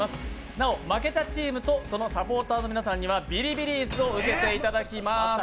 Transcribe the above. なお負けたチームとそのサポーターの皆さんにはビリビリ椅子を受けていただきます。